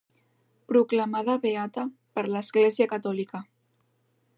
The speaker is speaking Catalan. Proclamada beata per l'Església catòlica.